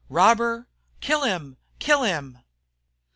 Robber!" "Kill him! Kill him!"